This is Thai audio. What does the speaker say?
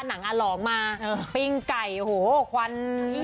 หนังอลองมาปิ้งไก่โอ้โหควัน